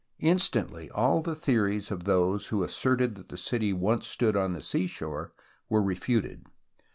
Instantly all the theories of those who asserted that the city once stood on the seashore were refuted.